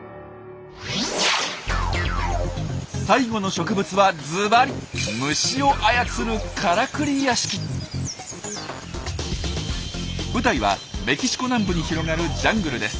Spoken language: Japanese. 最後の植物はズバリ舞台はメキシコ南部に広がるジャングルです。